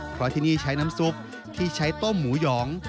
เพราะที่นี่ใช้น้ำซุปที่ใช้ต้มหมูหยอง